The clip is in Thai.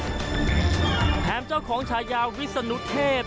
แถมเจ้าของชายาวิศนุเทพ